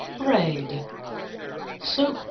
Bread: Soak 1